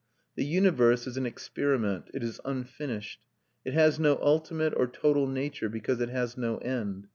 The universe is an experiment; it is unfinished. It has no ultimate or total nature, because it has no end.